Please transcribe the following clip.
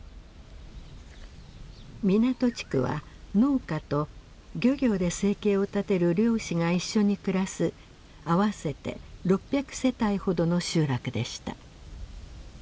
湊地区は農家と漁業で生計を立てる漁師が一緒に暮らす合わせて６００世帯ほどの集落でした。